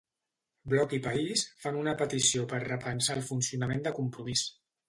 Bloc i País fan una petició per repensar el funcionament de Compromís.